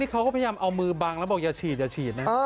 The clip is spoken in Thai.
เขาก็พยายามเอามือบังแล้วบอกอย่าฉีดอย่าฉีดนะ